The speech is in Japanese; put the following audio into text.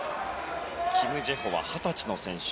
キム・ジェホは二十歳の選手。